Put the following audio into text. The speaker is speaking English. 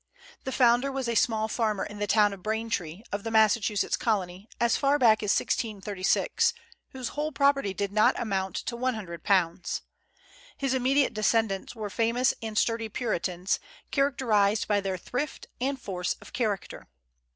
The founder was a small farmer in the town of Braintree, of the Massachusetts Colony, as far back as 1636, whose whole property did not amount to £100. His immediate descendants were famous and sturdy Puritans, characterized by their thrift and force of character.